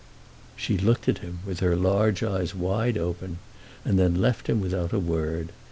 She looked at him with her large eyes wide open, and then left him without a word.